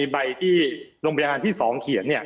ใบที่โรงพยาบาลที่สองเขียนเนี่ย